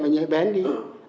thì nhạy bén đi